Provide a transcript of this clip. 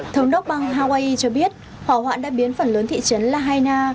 thống đốc bang hawaii cho biết hỏa hoạn đã biến phần lớn thị trấn lahaina